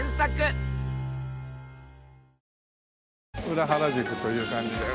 裏原宿という感じで。